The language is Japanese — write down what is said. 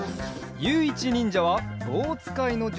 ゆういちにんじゃはぼうつかいのじゅ